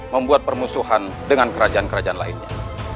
membuat permusuhan dengan kerajaan kerajaan lainnya